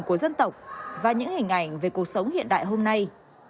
của dân tộc và những hình ảnh về cuộc sống hiện đại hôm nay